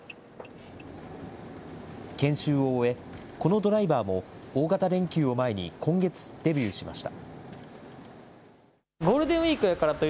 研修を終え、このドライバーも大型連休を前に今月、デビューしました。